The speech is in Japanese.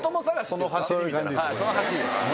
そのはしりです。